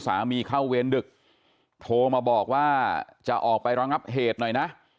เข้าเวรดึกโทรมาบอกว่าจะออกไประงับเหตุหน่อยนะ